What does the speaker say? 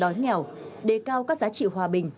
đói nghèo đề cao các giá trị hòa bình